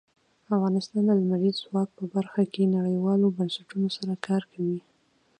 افغانستان د لمریز ځواک په برخه کې نړیوالو بنسټونو سره کار کوي.